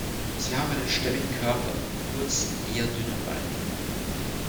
Sie haben einen stämmigen Körper mit kurzen, eher dünnen Beinen.